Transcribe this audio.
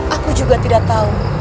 aku juga tidak tahu